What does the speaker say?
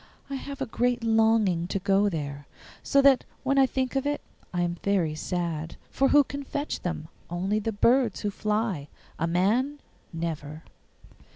I have a great longing to go there, so that when I think of it I am very sad. For who can fetch them? Only the birds who fly; a man, never.